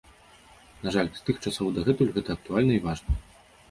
На жаль, з тых часоў і дагэтуль гэта актуальна і важна.